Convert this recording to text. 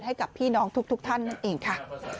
ให้กับพี่น้องทุกท่านนั่นเองค่ะ